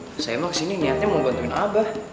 mbah saya emang kesini niatnya mau bantuin abah